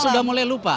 sudah mulai lupa